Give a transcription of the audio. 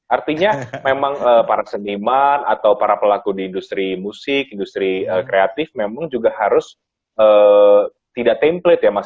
artinya memang para seniman atau para pelaku di industri musik industri kreatif memang juga harus tidak template ya mas